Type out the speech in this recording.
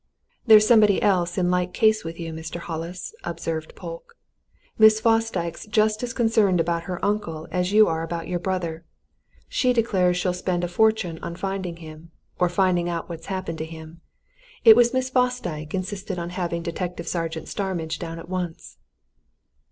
"There's somebody else in like case with you, Mr. Hollis," observed Polke. "Miss Fosdyke's just as concerned about her uncle as you are about your brother. She declares she'll spend a fortune on finding him or finding out what's happened to him. It was Miss Fosdyke insisted on having Detective Sergeant Starmidge down at once."